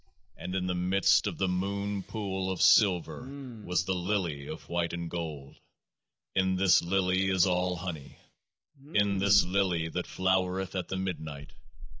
" And in the midst of the moon pool of silver was the Lily of white and gold. In this Lily is all honey, in this Lily that flowereth at the midnight.